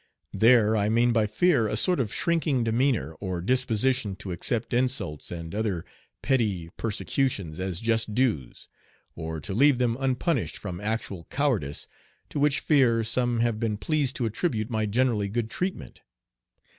There I mean by fear a sort of shrinking demeanor or disposition to accept insults and other petty persecutions as just dues, or to leave them unpunished from actual cowardice, to which fear some have been pleased to attribute my generally good treatment.